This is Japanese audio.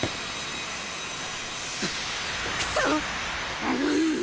くそっ！